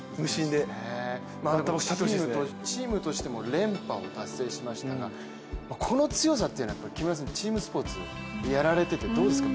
でもチームとしても連覇を達成しましたがこの強さっていうのは木村さん、チームスポーツやられててどうですか？